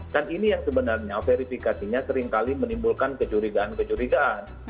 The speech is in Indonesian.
dan ini yang sebenarnya verifikasinya seringkali menimbulkan kecurigaan kecurigaan